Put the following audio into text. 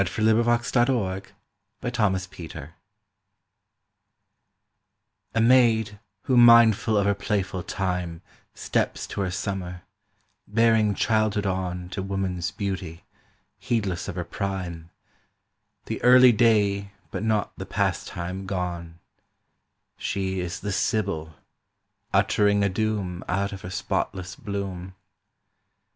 Thomas Gordon Hake 1809–94 The Sibyl A MAID who mindful of her playful timeSteps to her summer, bearing childhood onTo woman's beauty, heedless of her prime:The early day but not the pastime gone:She is the Sibyl, uttering a doomOut of her spotless bloom.